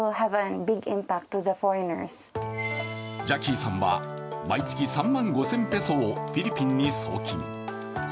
ジャキーさんは毎月３万５０００ペソをフィリピンに送金。